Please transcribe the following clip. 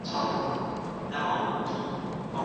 هوا سړه وي، بدن د لړزې له لارې ګرمښت تولیدوي.